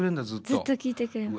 ずっと聞いてくれる。